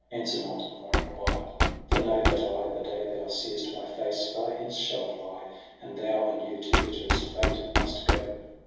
Answer not, nor inquire ; for know that I The day thou seest my face far hence shall fly. And thou anew to bitterest fate must go.'